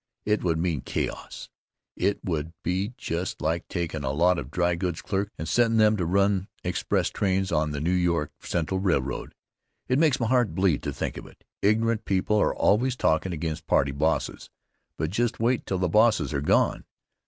It would mean chaos. It would be just like takin' a lot of dry goods clerks and settin' them to run express trains on the New York Central Railroad. It makes my heart bleed to think of it. Ignorant people are always talkin' against party bosses, but just wait till the bosses are gone!